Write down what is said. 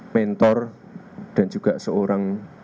mentor dan juga seorang